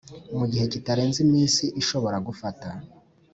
Mu gihe kitarenze iminsi ishobora gufata